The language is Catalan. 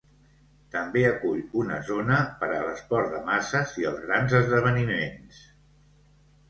També acull una zona per a l'esport de masses i els grans esdeveniments.